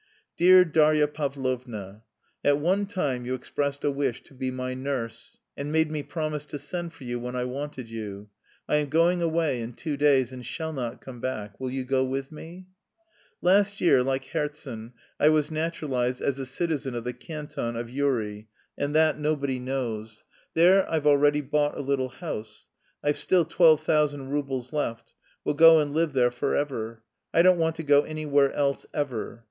"Dear Darya Pavlovna, At one time you expressed a wish to be my nurse and made me promise to send for you when I wanted you. I am going away in two days and shall not come back. Will you go with me? "Last year, like Herzen, I was naturalised as a citizen of the canton of Uri, and that nobody knows. There I've already bought a little house. I've still twelve thousand roubles left; we'll go and live there for ever. I don't want to go anywhere else ever.